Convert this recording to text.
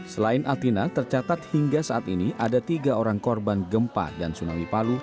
selain atina tercatat hingga saat ini ada tiga orang korban gempa dan tsunami palu